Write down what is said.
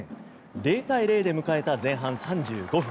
０対０で迎えた前半３５分。